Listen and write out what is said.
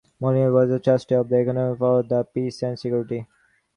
Modigliani was a trustee of the Economists for Peace and Security.